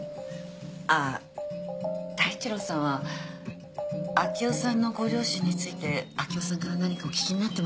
あっ太一郎さんは明生さんのご両親について明生さんから何かお聞きになってますか？